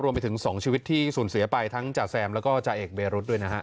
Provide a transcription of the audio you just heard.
ไปถึง๒ชีวิตที่สูญเสียไปทั้งจ่าแซมแล้วก็จ่าเอกเบรุษด้วยนะฮะ